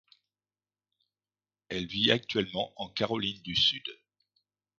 Elle vit actuellement en Caroline du Sud.